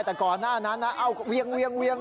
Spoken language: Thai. แต่ก่อนหน้านั้นเอ้าเวียงเวียงเวียง